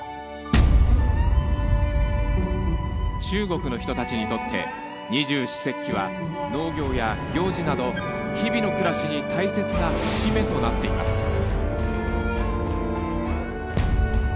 中国の人たちにとって二十四節気は農業や行事など日々の暮らしに大切な節目となっています。